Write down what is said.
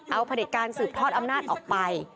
เอาผลิตการสืบทอดอำนาจออกไป